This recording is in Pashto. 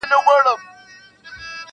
سپیني توري زنګ وهلي ړنګ توپونه پر میدان کې-